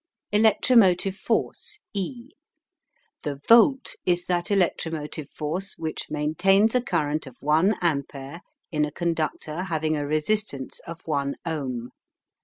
ELECTROMOTIVE FORCE E. The Volt is that electromotive force which maintains a current of one ampere in a conductor having a resistance of one ohm.